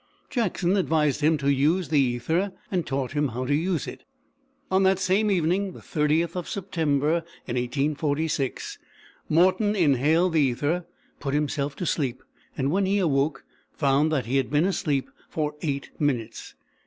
Jackson advised him to use the ether, and taught him how to use it. On that same evening, the 30th of September, 1846, Morton inhaled the ether, put himself to sleep, and, when he awoke, found that he had been asleep for eight minutes.